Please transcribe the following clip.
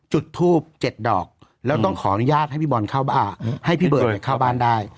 จุดทูบ๗ดอกแล้วต้องขออนุญาตให้พี่บอลเข้าบ้านให้พี่เบิร์ตเข้าบ้านได้